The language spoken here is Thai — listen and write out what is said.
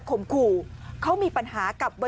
กลุ่มหนึ่งก็คือ